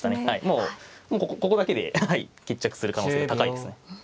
もうここだけで決着する可能性が高いですね。